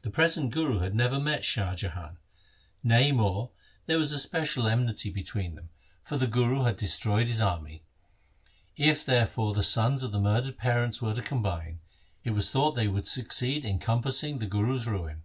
The present Guru had never met Shah Jahan. Nay more, there was special enmity io6 THE SIKH RELIGION between them, for the Guru had destroyed his army. If therefore the sons of the murdered parents were to combine, it was thought they would succeed in compassing the Guru's ruin.